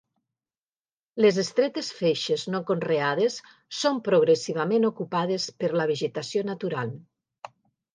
Les estretes feixes no conreades són progressivament ocupades per la vegetació natural.